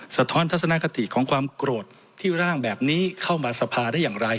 สะท้อนทัศนคติของความโกรธที่ร่างแบบนี้เข้ามาสภาได้อย่างไร